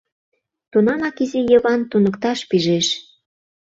Тунамак изи Йыван туныкташ пижеш: